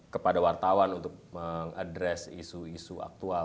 kepada wartawan untuk mengadres isu isu aktual